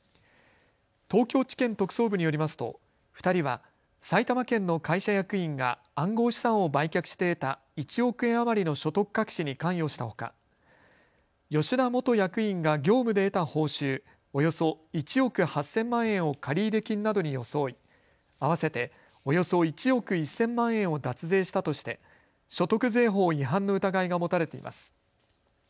東京地検特捜部によりますと２人は埼玉県の会社役員が暗号資産を売却して得た１億円余りの所得隠しに関与したほか吉田元役員が業務で得た報酬およそ１億８０００万円を借入金などに装い合わせておよそ１億１０００万円を脱税したとして所得税法違反の疑いが持たれています。